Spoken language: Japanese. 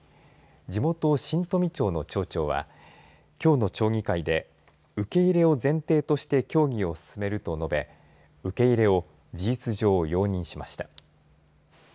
地元、新富町の町長はきょうの町議会で受け入れを前提として協議を進めると述べ受け入れを事実上、容認しました。